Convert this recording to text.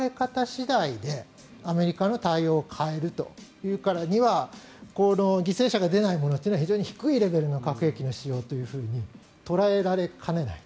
次第でアメリカの対応を変えるというからには犠牲者が出ないものというのは非常に低いレベルの核兵器の使用と捉えられかねない。